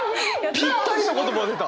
ぴったりの言葉が出た！